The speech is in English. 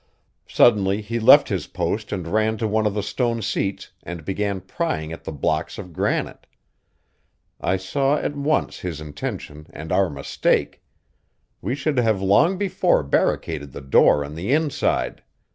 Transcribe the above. Suddenly he left his post and ran to one of the stone seats and began prying at the blocks of granite. I saw at once his intention and our mistake; we should have long before barricaded the door on the inside.